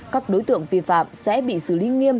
các đối tượng vi phạm sẽ bị xử lý nghiêm